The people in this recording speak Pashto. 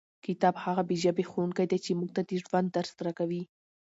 کتاب هغه بې ژبې ښوونکی دی چې موږ ته د ژوند درس راکوي.